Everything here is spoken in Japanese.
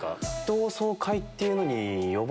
同窓会っていうのに。